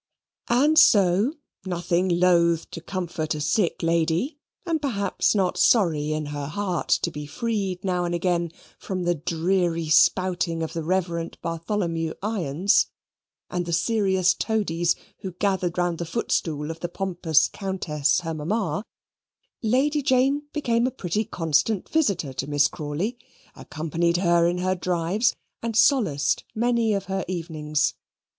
And so, nothing loth to comfort a sick lady, and perhaps not sorry in her heart to be freed now and again from the dreary spouting of the Reverend Bartholomew Irons, and the serious toadies who gathered round the footstool of the pompous Countess, her mamma, Lady Jane became a pretty constant visitor to Miss Crawley, accompanied her in her drives, and solaced many of her evenings.